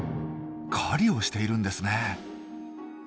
狩りをしているんですね。